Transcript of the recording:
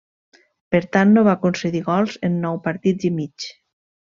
Per tant, no va concedir gols en nou partits i mig.